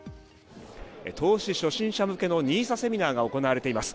投資初心者向けのＮＩＳＡセミナーが行われています。